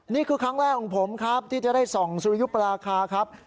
นี่คือครั้งแรกของผมครับที่จะได้ส่องสุริยุปราคาครับ